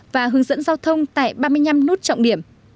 và hướng dẫn giao thông tại ba mươi năm nút trọng điểm